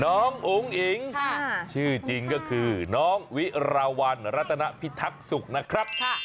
อุ๋งอิ๋งชื่อจริงก็คือน้องวิราวันรัตนพิทักษุกนะครับ